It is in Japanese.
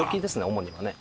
主にはね。